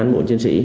cảm ơn các quý vị